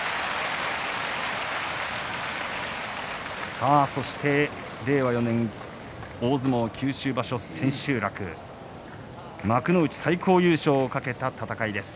さあ、そして令和４年九州場所、千秋楽幕内最高優勝を懸けた戦いです。